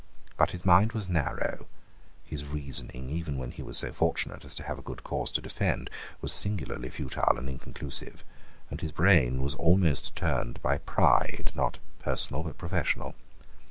But his mind was narrow: his reasoning, even when he was so fortunate as to have a good cause to defend, was singularly futile and inconclusive; and his brain was almost turned by pride, not personal, but professional.